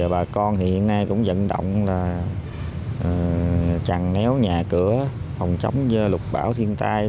bà con hiện nay cũng dẫn động chằn néo nhà cửa phòng trống lục bão thiên tai